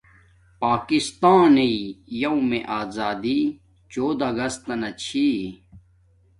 پاکستانݵ یومے آزادی چودہ اگستانا چھی